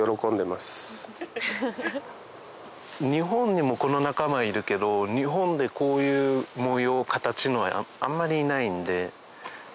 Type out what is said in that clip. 日本にもこの仲間いるけど日本でこういう模様形のはあんまりいないんで。